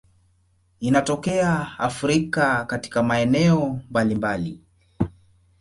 Inatokea Afrika katika maeneo mbalimbali.